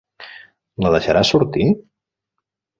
La deixaràs sortir?